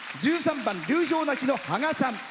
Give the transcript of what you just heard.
１３番「流氷鳴き」の、はがさん。